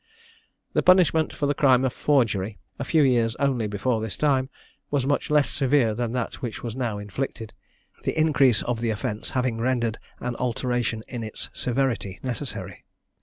The punishment for the crime of forgery, a few years only before this time, was much less severe than that which was now inflicted, the increase of the offence having rendered an alteration in its severity necessary.